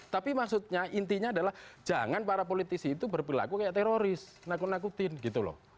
tapi maksudnya intinya adalah jangan para politisi itu berperilaku kayak teroris nakut nakutin gitu loh